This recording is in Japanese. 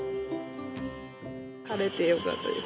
晴れてよかったです。